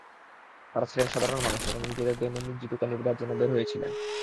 তারা ছিলেন সাধারণ মানুষ যারা নিজেদের দৈনন্দিন জীবিকা নির্বাহের জন্য বের হয়েছিলেন।